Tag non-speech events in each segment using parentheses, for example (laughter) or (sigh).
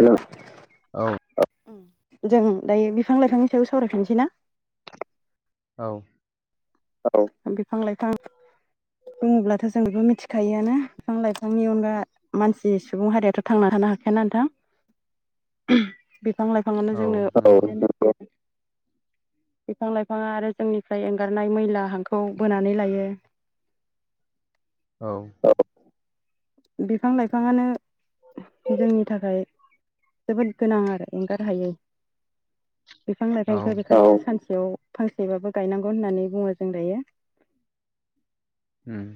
हेल' औ जों दायो बिफां लाइफांनि सायाव सावरायफिनसै ना औ औ बिफां लाइफां बुङोब्लाथ' जों बयबो मिथिखायोआनो बिफां लाइफांनि अनगा मानसि सुबुं हारियाथ' थांना थानो हाखायाना ना नोंथां (inaudible) बिफां लाइफांआनो औ जोंनो नंगौ बिफां लाइफाङा आरो जोंनिफ्राय एंगारनाय मैला हांखौ बोनानै लायो। औ बिफां लाइफाङानो जोंनि थाखाय जोबोद गोनां आरो एंगार हायै। बिफां औ लाइफांखौ बेखौनो सानसेयाव फांसेबाबो गायनांगौ होननानै बुङो जों दायो। उम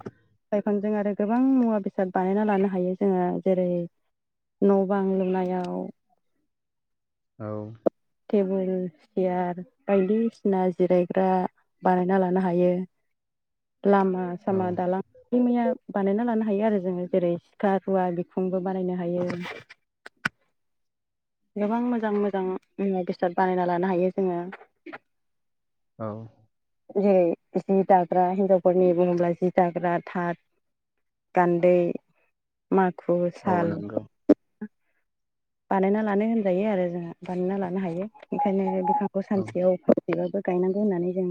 बिफांजों आरो गोबां मुवा बेसाद बानायना लानो हायो जोङो जेरै न' बां लुनायाव औ। टेबोल सियार बायदिसिना जिरायग्रा बानायना लानो हायो (inaudible) लामा औ सामा दालां मैया बानायना लानो हायो आरो जोङो जेरै सिखा रुवा बिखुंबो बानायनो हायो गोबां मोजां मोजां बेसाद बानायना लानो हायो जोङो औ। जेरै जि दाग्रा हिनजावफोरनि बुहोबब्ला जि दाग्रा थाद गान्दै माखु औ साल नंगौ बानायना लानो होनजायो आरो जोंहा बानायना लानो हायो ओंखायनो बिफखौ औ सानसेयाव बिसेबाबो गायनांगौ होननानै जों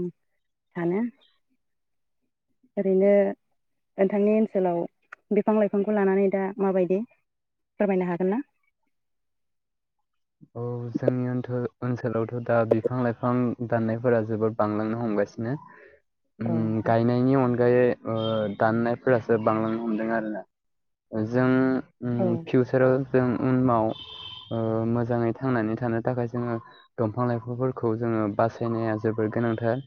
सानो ओरैनो नोंथांनि ओनसोलाव बिफां लाइफांखौ लानानै दा माबायदि फोरमायनो हागोन ना? औ जोंनि ओनसोलावथ' दा बिफां लाइफां दाननायफोरा जोबोद बांलांनो हमबाय औ उम नोंथां गायनायनि अनगायै ओ दाननायफोरासो बांलांनो हमदों आरोना जों उम औ फिउचाराव जों उनाव मोजां मोजाङै थांनानै थानो थाखाय जोङो दंफां लाइफांफोरखौ जोङो बासायनाया जोबोर गोनांथार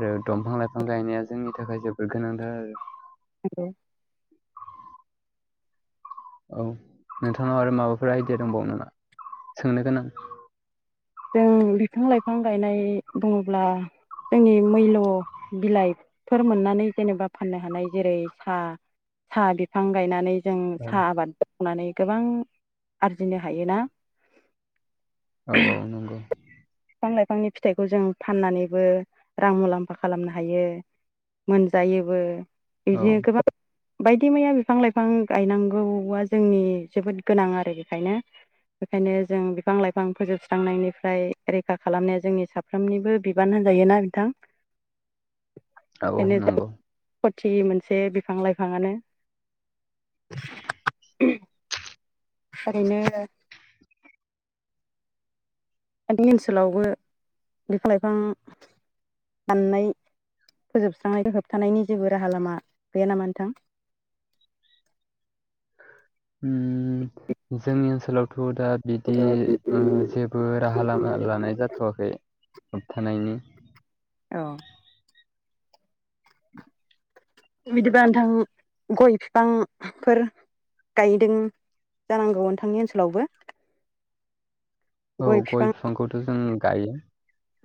आरो दंफां लाइफां गायनाया जोंनि थाखाय जोबोद गोनांथार आरो हेल'। औ नोंथांनाव आरो माबाफोर आइडिया दंबाव नामा सोंनो गोनां जों बिफां लाइफां गायनाय दङब्ला जोंनि मैल' बिलाइफोर मोननानै जेनेबा फाननो हानाय जेरै साहा साहा बिफां गायनानै जों साहा औ आबाद मावनानै गोबां आरजिनो हायोना औ-औ नंगौ। बिफां लाइफांनि फिथाइखौ जों फाननानैबो रां मुलाम्फा खालामनो हायो। मोनजायोबो औ बिदिनो गोबां बायदि मैया बिफां लाइफां गायनांगौआ जोंनि जोबोद गोनां आरो बेखायनो बेखायनो जों बिफां लाइफां फोजोबस्रांनायनिफ्राय रैखा खालामनाया जोंनि साफ्रोमनिबो बिबान होनजायोना बिथां औ नंगौ। खथि मोनसे बिफां लाइफाङानो ओरैनो दानि ओनसोलावबो बिफां लाइफां दाननाय फोजोबस्रांनायनि होबथानायनि जेबो राहा लामा गोया नामा नोंथां? उम जोंनि ओनसोलाव थ' दा बिदि ओ जेबो राहा लामा लानाय जाथ'वाखै होबथानायनि औ। बिदिबा नोंथां गय बिफांफोर गायदों जानांगौ नोंथांनि ओनसोलावबो औ गय बिफांखौथ' जों गायो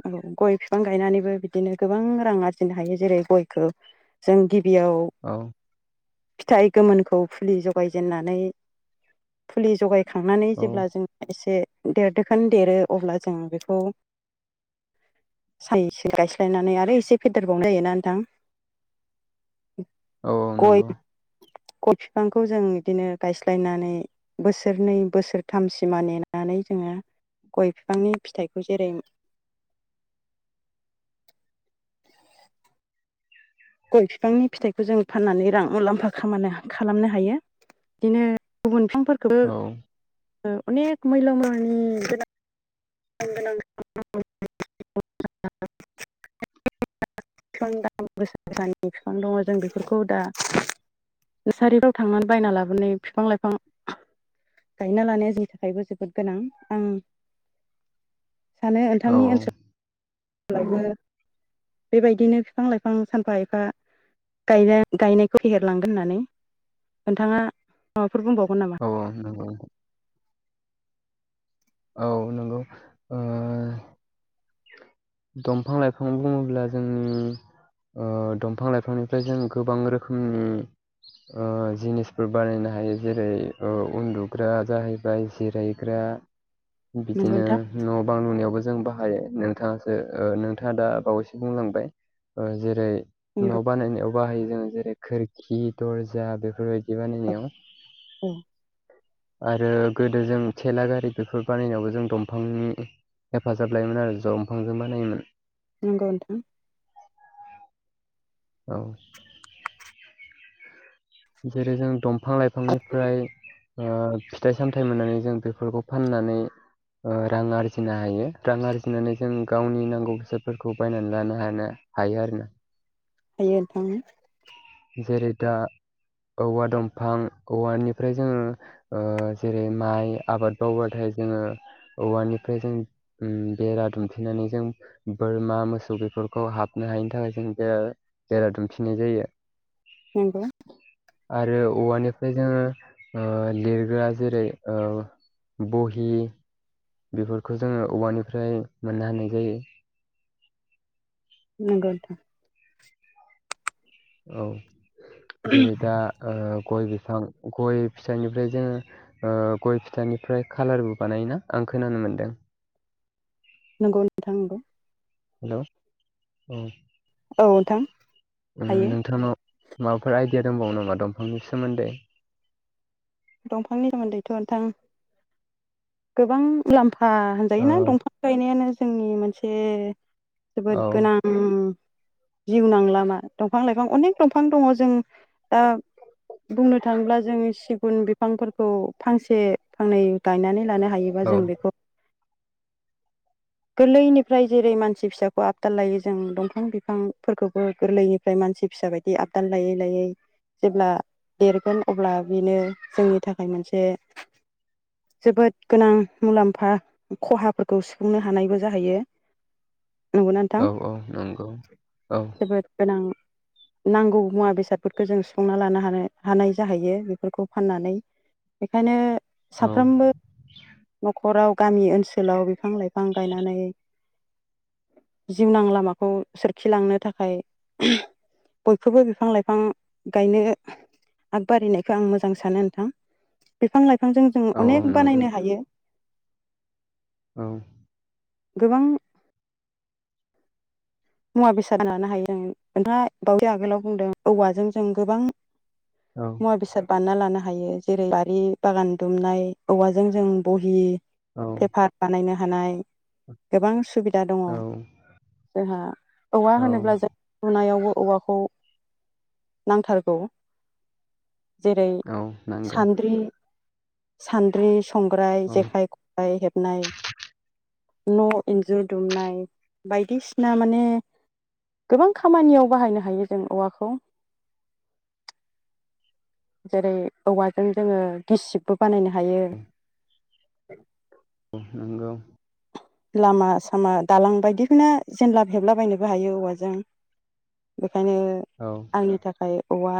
औ गय बिफां गायनानैबो बिदिनो गोबां रां आरजिनो हायो जेरै गयखौ जों ग बेयाव औ फिथाइ गोमोनखौ फुलि जगायजेननानै फुलि जगाय खांनानै औ जेब्ला जों एसे देरदोखोन देरो अब्ला जों बेखौ सायस गायस्लायनानै आरो एसे फेदेरबावनाय जायोना नोंथां। औ गय नंगौ (inaudible) (unintelligible) ग'य बिफांखौ जों बिदिनो गायस्लायनानै बोसोरनै बोसोरथामसिमा नेनानै जोंङ (inaudible) (unintelligible) गय बिफांनि फिथाइखौ जेरै (inaudible) (unintelligible) गय बिफांनि फिथाइखौ जों फाननानै रां मुलाम्फा खाम खालामनो हायो। बिदिनो गुबुन बिफांफोरखौबो औ अनेक मैल'मैल'मानि गोनां गां (inaudible) (unintelligible) (inaudible) फानि बिफां दङ जों बेफोरखौ दा नसारिफ्राव थांनानै बायना लाबोनाय बिफां लाइफां गायना लानाया जोंनि थाखायबो जोबोद गोनां आं सानो औ नोंथांनि ओनसोलावबो बेबायदिनो बिफां लाइफां सानफा एफा गायनायखौ फेहेरलांगोन होननानै नोंथाङा औ। औ। औ नंगौ। दंफां लाइफां बुङोब्ला जोंनि दंफां लाइफांनिफ्राय जों गोबां रोखोमनि जिनिसफोर बानायनो हायो जेरै उन्दुग्रा जाहैबाय जिरायग्रा। नंगौ बिदिनो नोंथां न' बां लुनायावबो जों बाहायो नोंथाङासो नोंथाङा दा बावैसो बुंलांबाय जेरै न' नंगौ बानायनायाव बाहायो जोङो जेरै खोरखि दर्जा बेफोरबायदि बानायनायाव औ आरो गोदो जों थेला गारि। बेफोर बानायनायावबो जों दंफांनि हेफाजाब लायोमोन आरो दंफांजों बानायोमोन। न गउथ औ जेरै जों बिफां लाइफांनिफ्राय फिथाइ सामथायाइ मोननानै जों बेफोरखौ फाननानै। रां आरजिनो हायो रां आरजिनानै जों गावनि नांगौ बेसादफोरखौ बायनानै लानो हानाय हायो आरो ना हयार दाम। जेरै दा औवा दंफां औवानिफ्राय जोङो जेरै माइ आबाद मावाथाय। जो औवफ्राय जों बेरा दुमफनानै जों बोरमा मोसौ बेफोरखौ हाबनो हायनि थाखाय जों जेरा दुमफिननाय जायो। नंगौ आरो औवानिफ्राय जोङो लिरग्रा जेरै बहि बेफोरखौ जोङो औवानिफ्राय मोननो होनाय जायो। मगलथा औ जेरै दा गय बिफां गय फिथाइनिफ्राय जोङो गय फिथाइनिफ्राय खालारबो बानायोना आं खोनानो मोन्दों। नंगौ नोंथां नंगौ हेल' औ। औ नोंथां। हायो नोंथांनाव माबाफोर आइडिया दंबावो नामा दंफांनि सोमोन्दै। दंफांनि सोमोन्दैथ' नोंथां। गोबां मुलाम्फा ओ होनजायोना दंफां गायनायानो जोंनि मोनसे। जोबोद औ गोनां। जिउ नांला मा दंफां लाइफां अनेख दंफां दङ जों बुंनो थाङोब्ला जों सिगुन बिफांफोरखौ फांसे फांनै गायनानै लानो हायोबा औ जों बेखौ गोरलैनिफ्राय जेरै मानसि फिसाखौ आबदाल लायो जों दंफां बिफांफोरखौबो गोरलैनिफ्राय मानसि फिसा बायदि आबद लायै लायै जेब्ला देरगोन अब्ला बेनो जोंनि थाखाय मोनसे जोबोद गोनां मुलाम्फा खहाफोरखौ सुफुंनो हानायबो जाहैयो। नंगौना नोंथां औ औ नंगौ औ जोबोद गोनां नांगौ मुवा बेसादफोरखौ जों सुफुंना लानो हानो हानाय जाहैयो बेफोरखौ फाननानै बेखायनो औ साफ्रोमबो न'खराव गामि ओनसोलाव बिफां लाइफां गायनानै जिउनां लामाखौ सोरखिलांनो थाखाय बयखौबो बिफां लाइफां गायनो आगबारिनायखौ आं मोजां सानो नोंथां। बिफां लाइफांजों जों औ औ अनेक नंगौ बानायनो हायो। औ गोबां मुवा बेसाद लानो हायो आ ओमफ्राय बावसाय आगोलाव बुंदों औवाजों जों गोबां औ मुवा बेसाद बानायना ला नो हायो जेरै बारि बागान दुमनाय औवाजों जों बहि औ पेपार बानायनो हानाय गोबां सुबिदा दङ औ जोंहा औवा औ होनोब्ला जों लुनायावबो औवाखौ नांथारगौ। जेरै नंगौ सानद्रि सानद्रि संग्राय औ जेखाइ खबाइ हेबनाय न' इन्जुर दुमनाय बायदिसिना माने गोबां खामानियाव बाहायनो हायो जों औवाखौ जेरै औवाजों जोङो गिसिबबो बानायनो हायो। नोंगौ लामा सामा दालां बायदिखौनो जेनलाब हेबलाबायनोबो हायो औवाजों। (inaudible) बेखायनो औ आंनि थाखाय औवा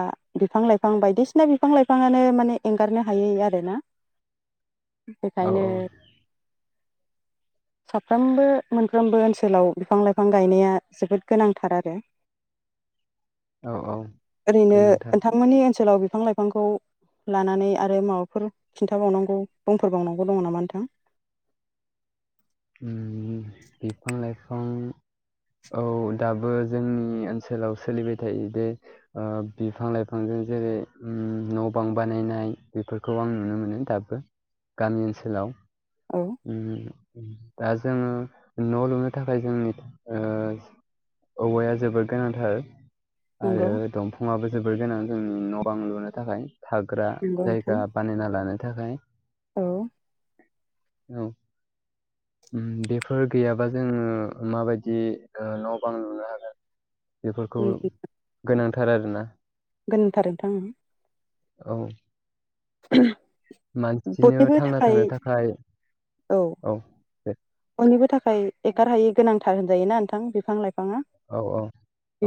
बिफां लाइफां बायदिसिना बिफां लाइफाङानो माने एंगारनो हायै आरोना औ बेखायनो साफ्रोमबो मोनफ्रोमबो ओनसोलाव बिफां लाइफां गायनाया जोबोद गोनांथार आरो (inaudible) औ ओरैनो गोनांथार नोंथांमोननि ओनसोलाव बिफां लाइफांखौ लानानै आरो माबाफोर खिन्थाबावनांगौ बुंफोरबावनांगौ दङ नामा नोंथां? उम बिफां लाइफां औ दाबो जोंनि ओनसोलाव सोलिबाय थायो बे बिफां लाइफांजों जेरै न' बां बानायनाय बेफोरखौ आं नुनो मोनो दाबो। गामि ओनसोलाव औ उम दा जोङो न' लुनो थाखाय जोंनि ओ औवाया जोबोद गोनांथार। नंगौ आरो दंफाङाबो जोबोर गोनां जोंनि न' बां लुनो थाखाय। थाग्रा नंगौ जायगा नोंथां बानायना लानो थाखाय। औ औ बेफोर गैयाबा जोङो माबायदि न' बां लुनो हागोन बेफोरखौ गोनांथार आरोना गोनांथार नोंथां ओ औ (inaudible) मानसिनो थांना थानो थाखाय औ दे बयनिबो थाखाय एगारहायै गोनांथार होनजायो ना नोंथां बिफां लाइफां फाङा औ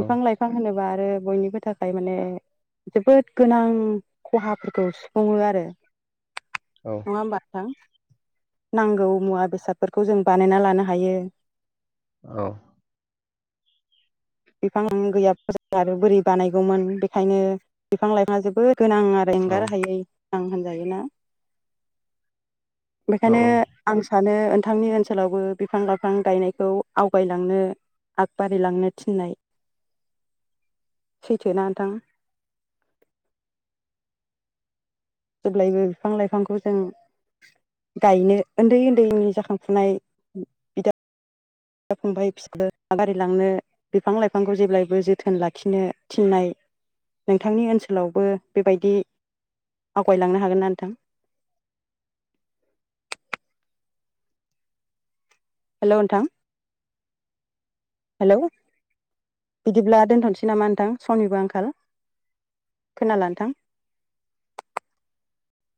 औ लाइफां होनोबा आरो बयनिबो थाखाय माने जोबोद गोनां खहाफोरखौ सु फुङो आरो नंङा होमबा नोंथां नांगौ मुवा बेसाद फोरखौ जों बानायना लानो हायो। औ। बिफां गैयाबा जो आरो बोरै बानायगौमोन बेखायनो बिफां-लाइफांआ जोबोद गोनां आरो औ एंगार हायै गोनां होनजायोना? औ बेखायनो औ आं सानो नोंथांनि ओनसोलावबो बिफां-लाइफां गायनायखौ आवगायलांनो आगबारिलांनो थिननाय सैथोना नोंथां? जेब्लायबो बिफां लाइफांखौ जों गायनो ओन्दै-ओन्दैनि जाखांफुनाय बिदा दा फंबाय (unintelligible) बारिलांनो बिफां-लाइफांखौ जेब्लायबो जोथोन लाखिनो थिननाय नोंथांनि ओनसोलावबो बेबायदि आवगायलांनो हागोन ना नोंथां? (inaudible) हेल' नोथां हेलौ। बिदिब्ला दोनथ'नोसै नामा नोंथां? समनिबो आंखाल। खोनाला नोंथां?